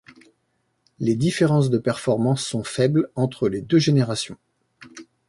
Les différences de performances sont faibles entre les deux générations.